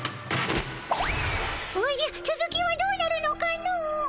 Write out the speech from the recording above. おじゃつづきはどうなるのかの。